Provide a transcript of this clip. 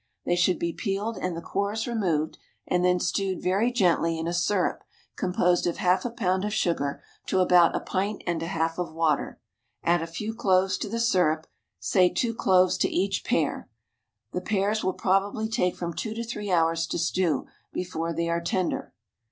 They should be peeled and the cores removed, and then stewed very gently in a syrup composed of half a pound of sugar to about a pint and a half of water; add a few cloves to the syrup, say two cloves to each pear. The pears will probably take from two to three hours to stew before they are tender.